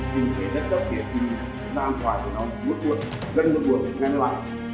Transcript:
tình thế rất đau kiệt vì giam khóa của nó vứt buộc gần vứt buộc nghe thấy không ạ